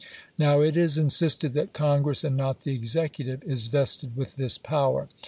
Now it is insisted that Congress, and not the Executive, is vested with this power.